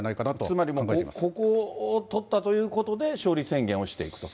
つまりもう、ここをとったということで、勝利宣言をしていくと。